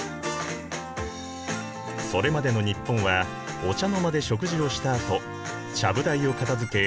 それまでの日本はお茶の間で食事をしたあとちゃぶ台を片づけ